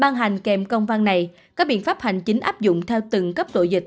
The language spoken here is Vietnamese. ban hành kèm công văn này các biện pháp hành chính áp dụng theo từng cấp độ dịch